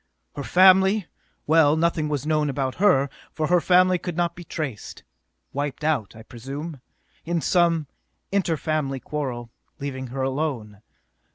Her family well, nothing was known about her, for her family could not be traced. Wiped out, I presume, in some inter family quarrel, leaving her alone.